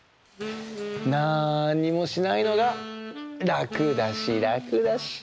なんにもしないのがらくだしらくだし。